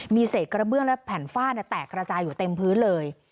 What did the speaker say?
มีเศษกระเบื้องและแผ่นฝ้าแตกระจายอยู่เต็มพื้นเลย